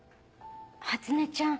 初音ちゃん